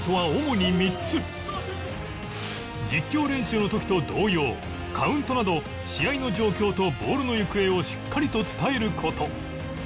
実況練習の時と同様カウントなど試合の状況とボールの行方をしっかりと伝える事